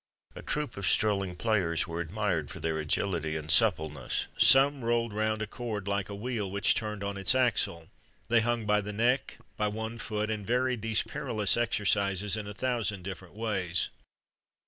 A troop of strolling players were admired for their agility and suppleness. Some rolled round a cord like a wheel which turns on its axle; they hung by the neck, by one foot, and varied these perilous exercises in a thousand different ways.